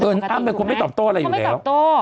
อ้ำเป็นคนไม่ตอบโต้อะไรอยู่แล้ว